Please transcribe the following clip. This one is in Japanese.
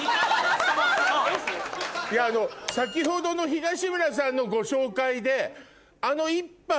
先ほどの東村さんのご紹介で。